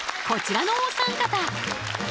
こちらのお三方。